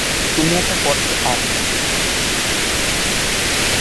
তুমি এটা করতে পারবে না।